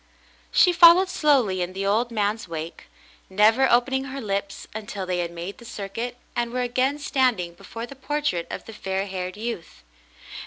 She followed slowly in the old man's wake, never open ing her lips until they had made the circuit and were again standing before the portrait of the fair haired youth.